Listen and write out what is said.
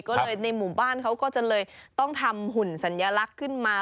ก็เลยในหมู่บ้านเขาก็จะเลยต้องทำหุ่นสัญลักษณ์ขึ้นมา